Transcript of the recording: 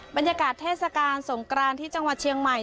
บรรยากาศเทศกาลสงกรานที่จังหวัดเชียงใหม่